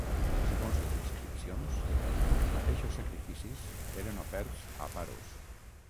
Segons les inscripcions, els mateixos sacrificis eren oferts a Paros.